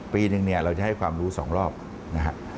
ปีหนึ่งเราจะให้ความรู้สองรอบนะครับ